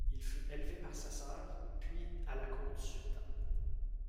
Il fut élevé par sa sœur, puis à la cour du sultan.